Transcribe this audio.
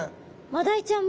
マダイちゃん